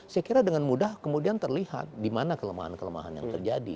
saya kira dengan mudah kemudian terlihat di mana kelemahan kelemahan yang terjadi